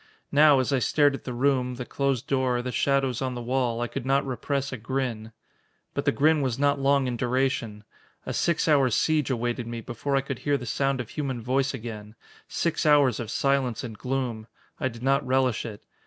Now, as I stared at the room, the closed door, the shadows on the wall, I could not repress a grin. But the grin was not long in duration. A six hour siege awaited me before I could hear the sound of human voice again six hours of silence and gloom. I did not relish it.